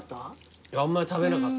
あんまり食べなかった。